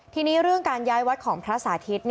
ทีนี้เรื่องการย้ายวัดของพระสาธิต